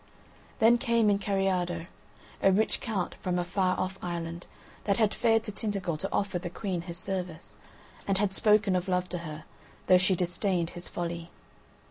Then came in Kariado, a rich count from a far off island, that had fared to Tintagel to offer the Queen his service, and had spoken of love to her, though she disdained his folly.